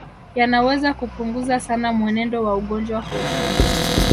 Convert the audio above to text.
Yanaweza kupunguza sana mwenendo wa ugonjwa huu